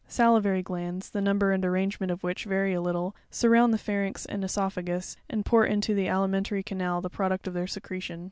Salivary glands, the number and arrangement of which vary a little, surround the pharynx and cesophagus, and pour into the alimentary canal the product of their secretion.